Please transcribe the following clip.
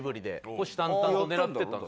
虎視眈々と狙ってたんですよ。